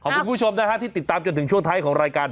คุณผู้ชมนะฮะที่ติดตามจนถึงช่วงท้ายของรายการ